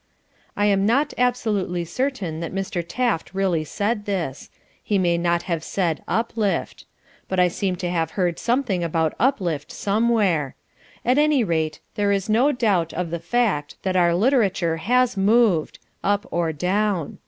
I am not absolutely certain that Mr. Taft really said this. He may not have said "uplift." But I seem to have heard something about uplift, somewhere. At any rate, there is no doubt of the fact that our literature has moved up or down.